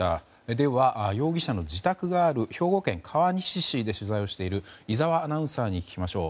では、容疑者の自宅がある兵庫県川西市で取材をしている井澤アナウンサーに聞きましょう。